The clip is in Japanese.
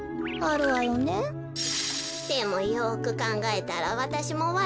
でもよくかんがえたらわたしもわるかったみたい。